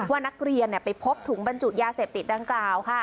ว่านักเรียนไปพบถุงบรรจุยาเสพติดดังกล่าว